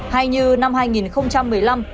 hay như năm hai nghìn một mươi năm